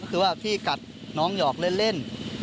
คือว่าพี่กัดน้องหยอกเล่น